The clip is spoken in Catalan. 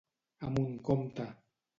A mon compte.